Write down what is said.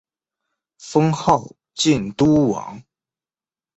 封号靖都王。